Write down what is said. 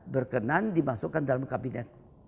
berkenan dimasukkan dalam kabinet